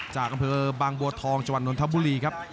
จากกำเภอบางบัวทองจนทบุรีครับ